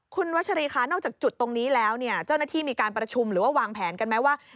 คุณวัชรีค่ะนอกจากจุดตรงนี้แล้วเจ้นาทีมีการประชุมวางแผนกันไหมว่า